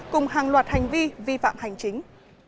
cùng hàng loạt hành vi vi phạm hành chính